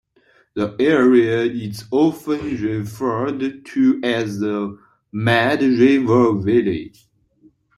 The area is often referred to as the Mad River Valley.